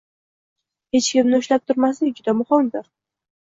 Hech kimni ushlab turmaslik juda muhimdir.